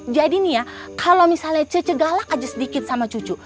jadi nih ya kalau misalnya cece galak aja sedikit sama cucu